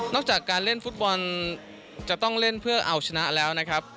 จากการเล่นฟุตบอลจะต้องเล่นเพื่อเอาชนะแล้วนะครับ